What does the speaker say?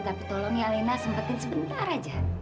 tapi tolong ya lena sempatin sebentar aja